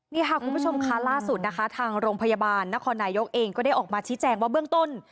นี่ค่ะคุณผู้ชมค่ะล่าสุดนะคะทางโรงพยาบาลนครนายกเองก็ได้ออกมาชี้แจงว่าเบื้องต้น